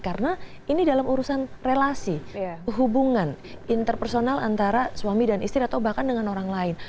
karena ini dalam urusan relasi hubungan interpersonal antara suami dan istri atau bahkan dengan orang lain